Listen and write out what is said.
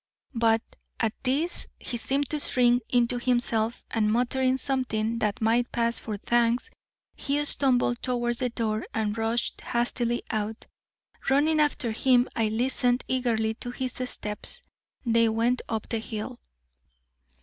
"But at this he seemed to shrink into himself; and muttering something that might pass for thanks, he stumbled towards the door and rushed hastily out. Running after him, I listened eagerly to his steps. They went up the hill."